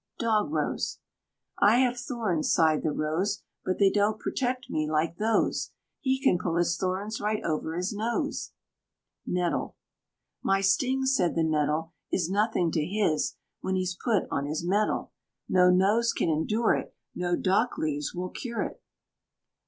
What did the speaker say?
DOG ROSE. "I have thorns," sighed the Rose, "But they don't protect me like those; He can pull his thorns right over his nose." NETTLE. "My sting," said the Nettle, "Is nothing to his when he's put on his mettle. No nose can endure it, No dock leaves will cure it."